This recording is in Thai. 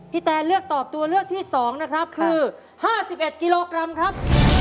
แตนเลือกตอบตัวเลือกที่๒นะครับคือ๕๑กิโลกรัมครับ